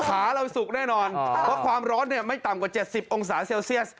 เราสุกแน่นอนเพราะความร้อนไม่ต่ำกว่า๗๐องศาเซลเซียส